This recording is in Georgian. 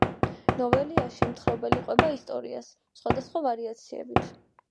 ნოველაში მთხრობელი ყვება ისტორიას სხვა და სხვა ვარიაციებით.